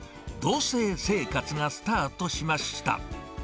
同せい生活がスタートしました。